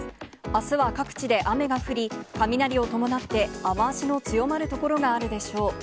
あすは各地で雨が降り、雷を伴って、雨足の強まる所があるでしょう。